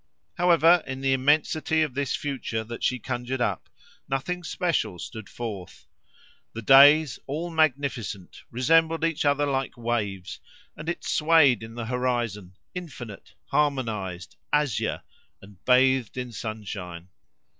However, in the immensity of this future that she conjured up, nothing special stood forth; the days, all magnificent, resembled each other like waves; and it swayed in the horizon, infinite, harmonised, azure, and bathed in sunshine.